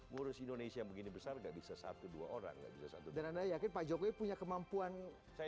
murus indonesia begini besar gak bisa satu dua orang dan ada ya pak jokowi punya kemampuan saya